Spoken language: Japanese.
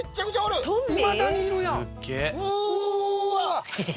いまだにいるやん。